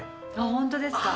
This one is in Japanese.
本当ですか？